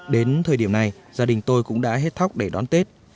đến thời điểm này gia đình tôi cũng đã hết thóc để đón tết